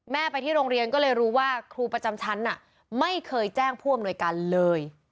ไปที่โรงเรียนก็เลยรู้ว่าครูประจำชั้นไม่เคยแจ้งผู้อำนวยการเลย